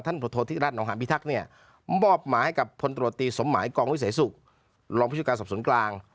ท่านโทษทิศรัทธ์อ๋อหารพิทักษ์เนี่ยมอบมาให้กับพลตรวจตีสมหมายกองวิสัยสุขรองพิจารณ์สอบสวนกลาง